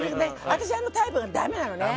私はあのタイプだめなのよ。